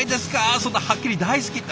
そんなはっきり「大好き」って。